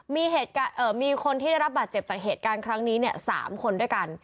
มีเหตุการณ์เอ่อมีคนที่ได้รับบาดเจ็บจากเหตุการณ์ครั้งนี้เนี่ยสามคนด้วยกัน